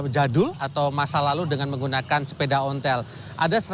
pada hari ini kami melihat satu ratus lima puluh orang yang menggunakan model jadwal